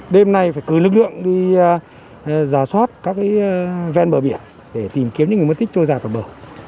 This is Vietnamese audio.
đêm nay phải cưới lực lượng đi giả soát các ven bờ biển để tìm kiếm những người mất tích trôi dài bờ